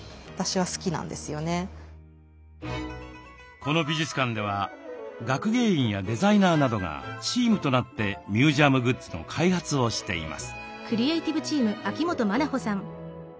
この美術館では学芸員やデザイナーなどがチームとなってミュージアムグッズの開発をしています。